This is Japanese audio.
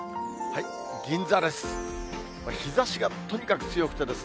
銀座です。